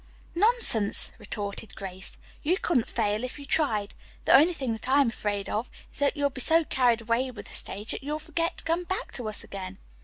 "Nonsense," retorted Grace. "You couldn't fail if you tried. The only thing that I am afraid of is that you'll be so carried away with the stage that you'll forget to come back to us again."